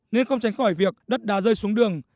nên không tránh khỏi việc đất đá rơi xuống đường